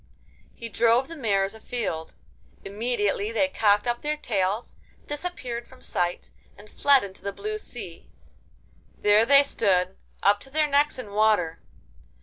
He drove the mares afield. Immediately they cocked up their tails, disappeared from sight, and fled into the blue sea. There they stood, up to their necks in water.